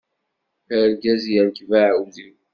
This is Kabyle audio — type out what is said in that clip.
Argaz yerkeb aɛudiw.